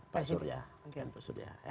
pak surya oke